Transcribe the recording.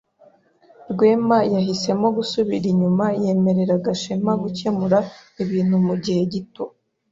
Rwema yahisemo gusubira inyuma yemerera Gashema gukemura ibintu mugihe gito.